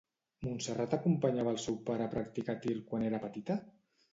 Montserrat acompanyava al seu pare a practicar tir quan era petita?